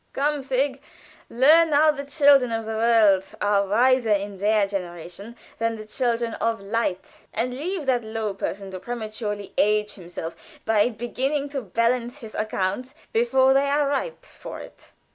"Come, Sig, learn how the children of the world are wiser in their generation than the children of light, and leave that low person to prematurely age himself by beginning to balance his accounts before they are ripe for it."